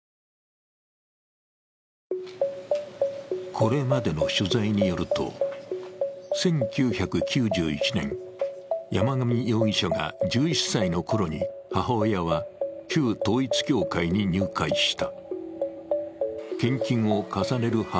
これまでの取材によると１９９１年、山上容疑者が１１歳のころに母親は旧統一教会に入会した。